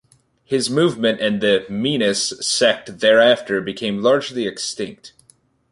His movement and the "Minas" sect thereafter became largely extinct.